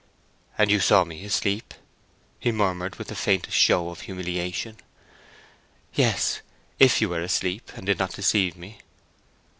"And you saw me asleep," he murmured, with the faintest show of humiliation. "Yes—if you were asleep, and did not deceive me."